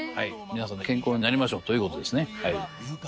皆さんで健康になりましょうという事ですねはい。